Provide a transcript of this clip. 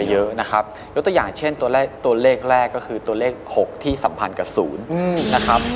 ยกตัวอย่างเช่นตัวเลขแรกก็คือตัวเลข๖ที่สัมพันธ์กับ๐